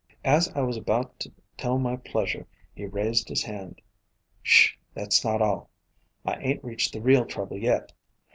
As I was about to tell my pleasure, he raised his hand. "'Sh! that's not all. I ain't reached the real trouble yet.